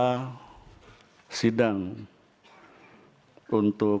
hai sedang untuk